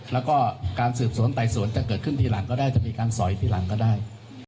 แล้วก็การสืบสวนไต่สวนจะเกิดขึ้นทีหลังก็ได้จะมีการสอยทีหลังก็ได้